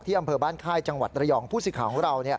ที่อำเภอบ้านค่ายจังหวัดระย่องภูษิขาของเรา